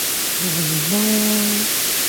There are iron-mines in the neighbourhood.